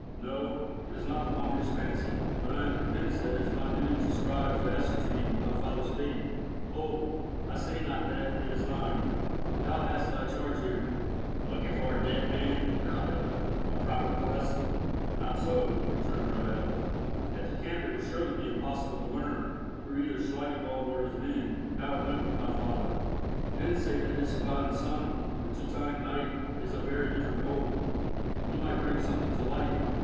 "No, it is not the monkish fancy, but I am convinced that it is my duty to strive to ascertain my father's fate. Hold, I say not that it is thine. Thou hast thy charge here—" "Looking for a dead man," growled Ebbo; "a proper quest!" "Not so," returned Friedel. "At the camp it will surely be possible to learn, through either Schlangenwald or his men, how it went with my father. Men say that his surviving son, the Teutonic knight, is of very different mould. He might bring something to light.